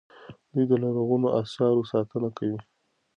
دوی د لرغونو اثارو ساتنه کوي.